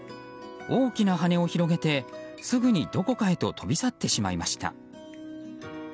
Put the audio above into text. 大きな羽を広げてすぐにどこかへと飛び去ってしまいました。